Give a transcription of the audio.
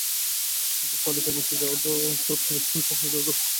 অথচ তালিকার নিচে যাওয়াটা অর্থাৎ অবস্থান ভালো হওয়াটা দ্রুততার সঙ্গে ঘটে না।